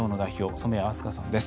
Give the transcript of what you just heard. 染矢明日香さんです。